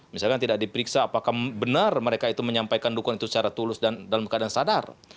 misalkan tidak diperiksa apakah benar mereka itu menyampaikan dukungan itu secara tulus dan dalam keadaan sadar